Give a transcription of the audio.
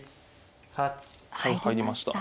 入りました。